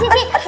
aduh pak siti